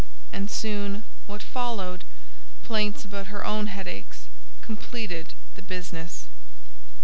And soon, what followed—plaints about her own headaches—completed the business.